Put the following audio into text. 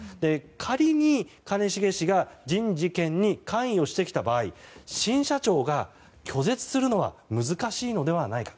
仮に兼重氏が人事権に関与してきた場合新社長が拒絶するのは難しいのではないか。